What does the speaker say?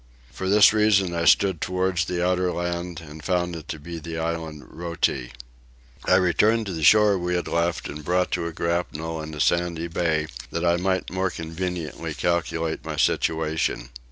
For this reason I stood towards the outer land and found it to be the island Roti. I returned to the shore we had left and brought to a grapnel in a sandy bay that I might more conveniently calculate my situation.